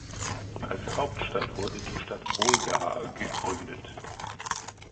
Als Hauptstadt wurde die Stadt Bolgar gegründet.